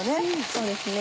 そうですね。